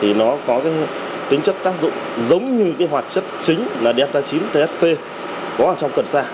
thì nó có cái tính chất tác dụng giống như cái hóa chất chính là delta chín thc có ở trong cần sa